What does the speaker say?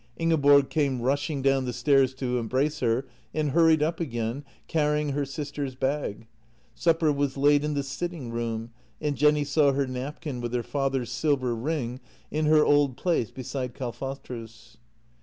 Ingeborg came rushing down the stairs to embrace her, and hurried up again, carrying her sister's bag. Supper was laid in the sitting room, and Jenny saw her napkin with her father's silver ring in her old place beside Kalfatrus.